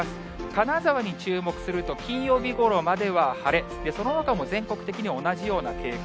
金沢に注目すると金曜日ごろまでは晴れ、そのほかも全国的に同じような傾向。